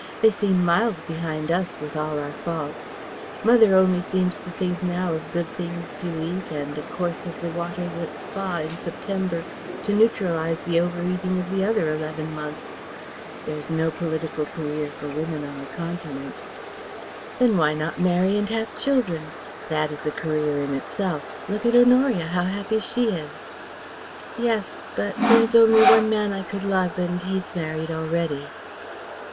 They seem miles behind us, with all our faults. Mother only seems to think now of good things to eat and a course of the waters at Spa in September to neutralize the over eating of the other eleven months. There is no political career for women on the Continent." "Then why not marry and have children? That is a career in itself. Look at Honoria, how happy she is." "Yes but there is only one man I could love, and he's married already."